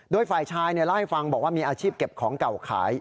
โดยฝ่ายชายเล่าให้ฟังบอกว่ามีอาชีพเก็บของเก่าขาย